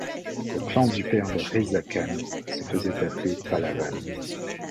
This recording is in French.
Le clan du père de Reza Khan se faisait appeler Pahlavan.